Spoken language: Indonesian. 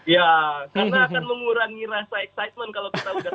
ya karena akan mengurangi rasa excitement kalau kita sudah kena spoiler